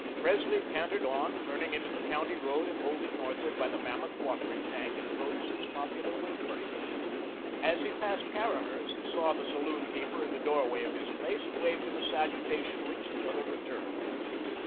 Presley cantered on, turning into the county road and holding northward by the mammoth watering tank and Broderson's popular windbreak. As he passed Caraher's, he saw the saloon keeper in the doorway of his place, and waved him a salutation which the other returned.